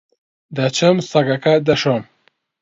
دەچم سەگەکە دەشۆم.